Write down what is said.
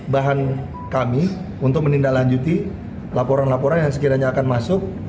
bahan kami untuk menindaklanjuti laporan laporan yang sekiranya akan masuk